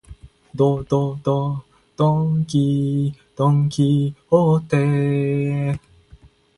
ど、ど、ど、ドンキ、ドンキホーテ